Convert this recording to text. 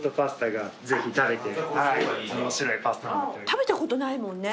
食べたことないもんね。